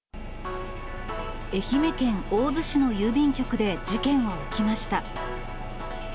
愛媛県大洲市の郵便局で事件は起きました。